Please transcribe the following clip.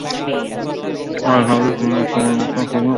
আহ, তাহলে জিমির মতো তুমিও আর্মি পরিবার থেকে এসেছ।